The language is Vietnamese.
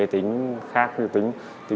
tính khác tính